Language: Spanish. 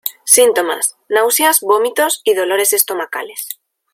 Síntomas: náuseas, vómitos y dolores estomacales.